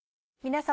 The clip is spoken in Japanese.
皆様。